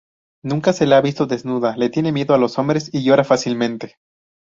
Nunca se ha visto desnuda, le tiene miedo a los hombres y llora fácilmente.